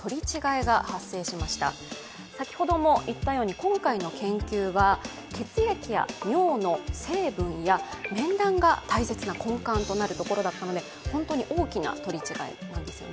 今回の研究は血液や尿の成分や、面談が大切な根幹となるところだったので本当に大きな取り違えなんですよね。